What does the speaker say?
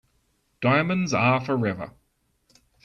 Diamonds are forever.